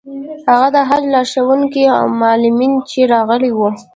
هغه د حج لارښوونکي او معلمین چې راغلي وو.